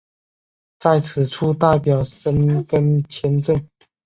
在此处代表申根签证。